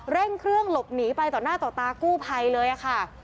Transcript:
เร่งเครื่องหลบหนีไปต่อหน้าต่อตากู้ภัยเลยค่ะ